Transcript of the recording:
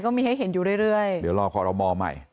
ก็มีให้เห็นอยู่เรื่อยเดี๋ยวรอคอรมอใหม่